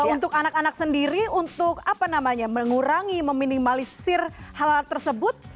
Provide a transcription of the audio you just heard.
untuk anak anak sendiri untuk apa namanya mengurangi meminimalisir hal tersebut